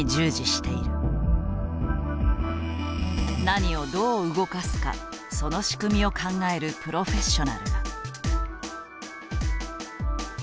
何をどう動かすかその仕組みを考えるプロフェッショナルだ。